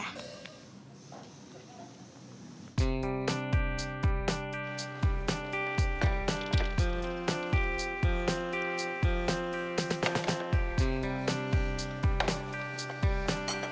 bakal bakal json